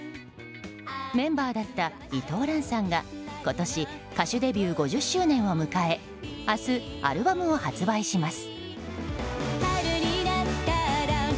メンバーだった伊藤蘭さんが今年歌手デビュー５０周年を迎え明日、アルバムを発売します。